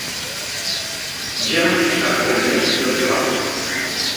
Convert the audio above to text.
Ja no se sap res més del que va fer.